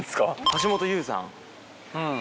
橋本裕さん。